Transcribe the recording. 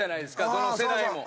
どの世代も。